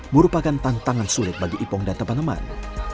merupakan tantangan sulit bagi ipong dan teman teman